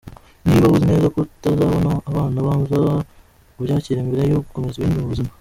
Niba uzi neza ko utazabona abana, banza ubyakire mbere yo gukomeza ibindi mu buzima;.